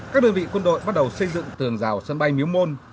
các đơn vị quân đội bắt đầu xây dựng tường rào sân bay miếu môn